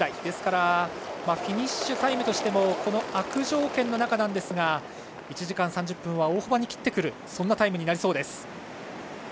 ですからフィニッシュタイムとしてもこの悪条件の中ですが１時間３０分は大幅に切ってくるタイムになりそうです。